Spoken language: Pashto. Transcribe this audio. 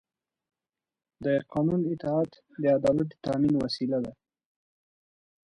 د قانون اطاعت د عدالت د تأمین وسیله ده